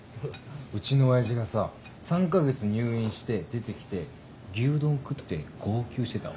うちの親父がさ３か月入院して出て来て牛丼食って号泣してたわ。